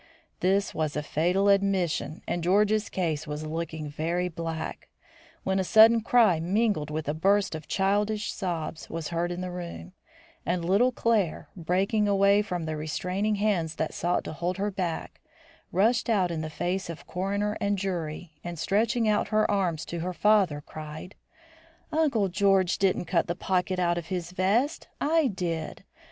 This was a fatal admission and George's case was looking very black, when a sudden cry mingled with a burst of childish sobs was heard in the room, and little Claire, breaking away from the restraining hands that sought to hold her back, rushed out in face of coroner and jury, and stretching out her arms to her father, cried: "Uncle George didn't cut the pocket out of his vest. I did.